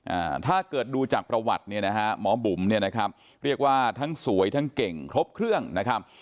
อ่าถ้าเกิดดูจากประวัติเนี่ยนะฮะหมอบุ๋มเนี่ยนะครับเรียกว่าทั้งสวยทั้งเก่งครบเครื่องนะครับ